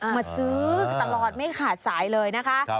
มาซื้อตลอดไม่ขาดสายเลยนะคะ